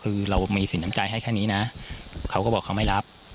คือเรามีสินน้ำใจให้แค่นี้นะเขาก็บอกเขาไม่รับ